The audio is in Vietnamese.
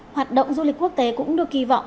hoạt động du lịch quốc tế cũng được kỳ vọng